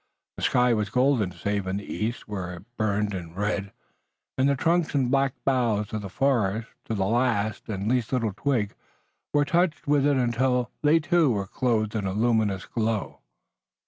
The sky was golden save in the east, where it burned in red, and the trunks and black boughs of the forest, to the last and least little twig, were touched with it until they too were clothed in a luminous glow.